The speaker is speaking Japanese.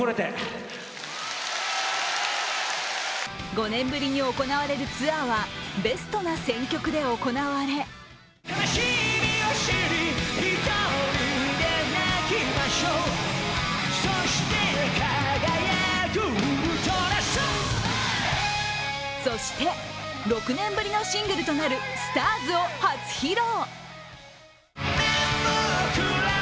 ５年ぶりに行われるツアーはベストな選曲で行われそして、６年ぶりのシングルとなる「ＳＴＡＲＳ」を初披露。